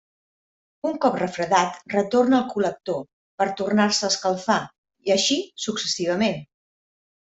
Un cop refredat, retorna al col·lector per tornar-se a escalfar, i així successivament.